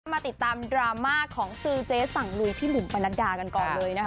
มาติดตามดราม่าของซื้อเจ๊สั่งลุยพี่บุ๋มปนัดดากันก่อนเลยนะคะ